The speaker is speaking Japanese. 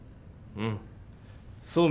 うん。